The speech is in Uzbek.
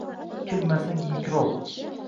Kirmasin mikrob.